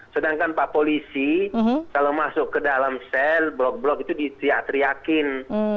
sedangkan pak polisi kalau masuk ke dalam sel blok blok itu diteriak teriakin